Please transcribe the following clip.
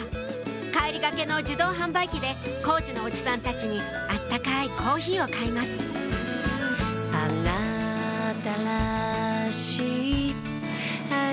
帰りがけの自動販売機で工事のおじさんたちに温かいコーヒーを買いますあっ！